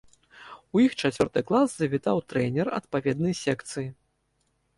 У іх чацвёрты клас завітаў трэнер адпаведнай секцыі.